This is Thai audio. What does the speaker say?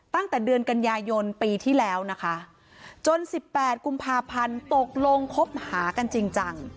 ตั้งแต่เดือนกันยายนปีที่แล้วนะคะจนสิบแปดกุมภาพันธ์ตกลงคบหากันจริงจัง